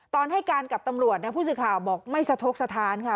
ตอนให้การกับตำรวจนะผู้สื่อข่าวบอกไม่สะทกสถานค่ะ